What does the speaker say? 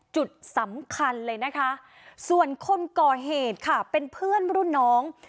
จุดสำคัญเลยนะคะส่วนคนก่อเหตุค่ะเป็นเพื่อนรุ่นน้อง